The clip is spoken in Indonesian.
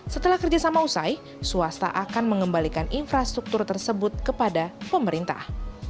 setelah kerjasama usai swasta akan mengembalikan infrastruktur tersebut kepada pemerintah